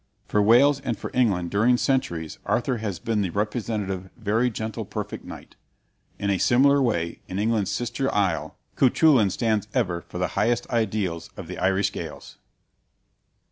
For Wales and for England during centuries Arthur has been the representative "very gentle perfect knight." In a similar way, in England's sister isle, Cuchulain stands ever for the highest ideals of the Irish Gaels.